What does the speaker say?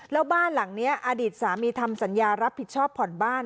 แล้วบ้านหลังนี้อดีตสามีทำสัญญารับผิดชอบผ่อนบ้าน